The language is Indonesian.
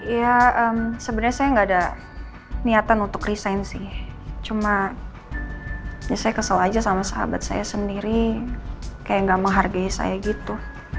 ya sebenernya saya gak ada niatan untuk resign sih cuma biasanya kesel aja sama sahabat saya sendiri kayak gak menghargai saya gitu